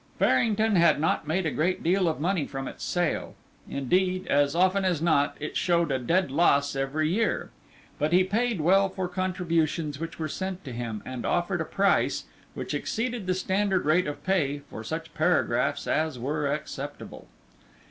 Farrington had not made a great deal of money from its sale; indeed, as often as not, it showed a dead loss every year. But he paid well for contributions which were sent to him, and offered a price, which exceeded the standard rate of pay, for such paragraphs as were acceptable.